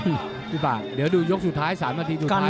พี่ป่าเดี๋ยวดูยกสุดท้าย๓นาทีสุดท้าย